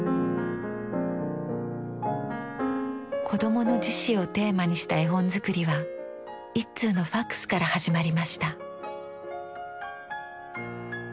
「子供の自死」をテーマにした絵本作りは一通のファックスから始まりました。